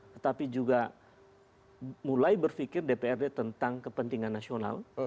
tetapi juga mulai berpikir dprd tentang kepentingan nasional